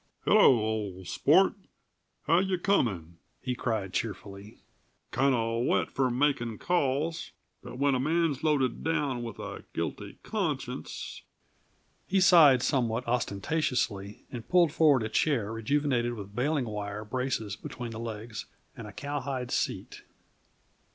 "Hello, old sport how you comin'?" he cried cheerfully. "Kinda wet for makin' calls, but when a man's loaded down with a guilty conscience " He sighed somewhat ostentatiously and pulled forward a chair rejuvenated with baling wire braces between the legs, and a cowhide seat.